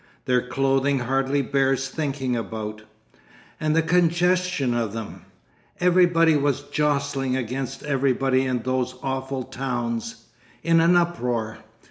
Their clothing hardly bears thinking about. And the congestion of them! Everybody was jostling against everybody in those awful towns. In an uproar.